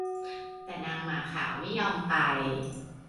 แต่นางหมาขาวไม่ยอมไป